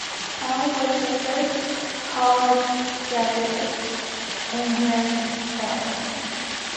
Chow was the first college graduate in her family.